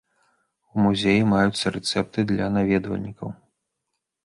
У музеі маюцца рэцэпты для наведвальнікаў.